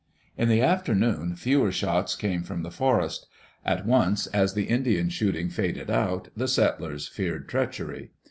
In the afternoon, fewer shots came from the forest At once, as the Indian shooting faded out, the settlers feared treachery.